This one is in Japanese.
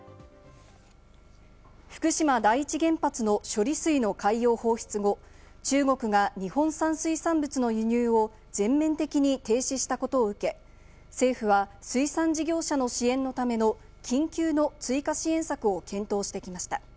福島第一原発の処理水の海洋放出後、中国が日本産水産物の輸入を全面的に停止したことを受け、政府は水産事業者の支援のための緊急の追加支援策を検討してきました。